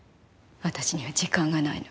私には時間がないの。